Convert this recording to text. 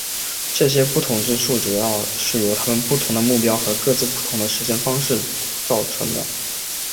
这些不同之处主要是由他们不同的目标和各自不同的实现方式造成的。